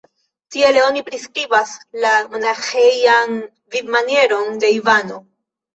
Tiele oni priskribas la monaĥejan vivmanieron de Ivano.